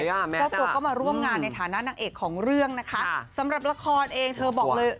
เจ้าตัวก็มาร่วมงานในฐานะนางเอกของเรื่องนะคะสำหรับละครเองเธอบอกเลย